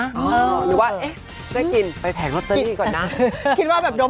หรือได้กลิ่นไปแผนเคราะห์